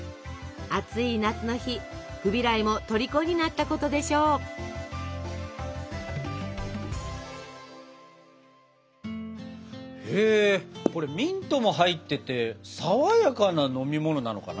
暑い夏の日フビライもとりこになったことでしょう！へこれミントも入っててさわやかな飲み物なのかな？